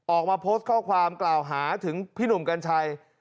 ออกมาโพสต์ข้อความกล่าวหาถึงพี่หนุ่มกัญชัย